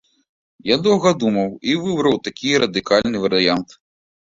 Я доўга думаў і выбраў такі радыкальны варыянт.